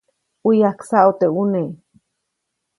ʼU yajksaʼu teʼ ʼune.